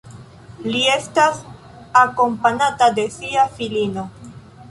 Li estas akompanata de sia filino.